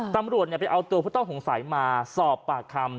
ตำรวจไปเอาตัวผู้ต้องสงสัยมาสอบปากคำ